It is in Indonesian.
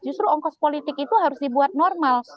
justru ongkos politik itu harus dibuat normal